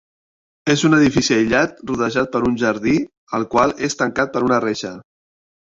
És un edifici aïllat, rodejat per un jardí, el qual és tancat per una reixa.